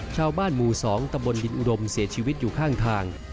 ชาวบ้านหมู่๒ตำบลดินอุดมเสียชีวิตอยู่ข้างทาง